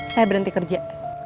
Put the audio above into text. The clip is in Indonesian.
saya berhenti kerja